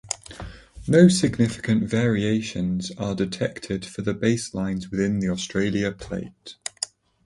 No significant variations are detected for the baselines within the Australia plate.